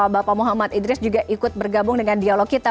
bapak muhammad idris juga ikut bergabung dengan dialog kita